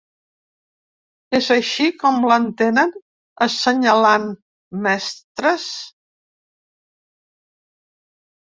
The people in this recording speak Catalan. És així com l'entenen, assenyalant mestres?